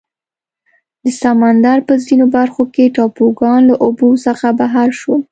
د سمندر په ځینو برخو کې ټاپوګان له اوبو څخه بهر شول.